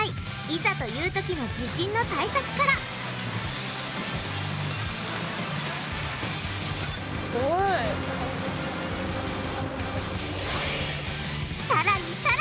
いざという時の地震の対策からさらにさらに！